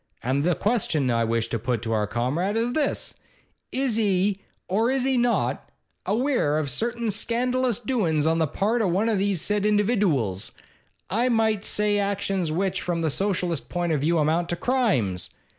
And the question I wish to put to our Comrade is this: Is he, or is he not, aweer of certain scandalous doin's on the part of one of these said individooals, I might say actions which, from the Socialist point of view, amount to crimes?